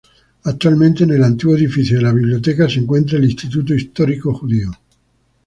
Actualmente, en el antiguo edificio de la biblioteca se encuentra el Instituto Histórico Judío.